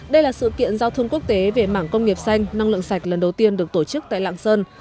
đây là sự kiện giao thương quốc tế về mảng công nghiệp xanh năng lượng sạch lần đầu tiên được tổ chức tại lạng sơn